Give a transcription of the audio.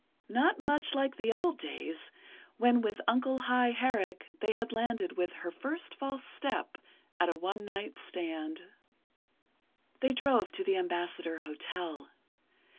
Not much like the old days, when with Uncle High Herrick, they had landed with "Her First False Step" at a one night stand. They drove to the Ambassador Hotel.